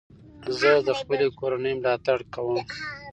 زه د خپلي کورنۍ ملاتړ کوم.